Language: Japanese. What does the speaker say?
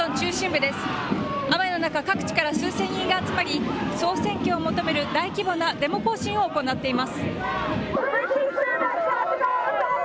雨の中、各地から数千人が集まり、総選挙を求める大規模なデモ行進を行っています。